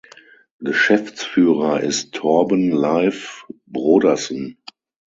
Geschäftsführer ist Torben Leif Brodersen.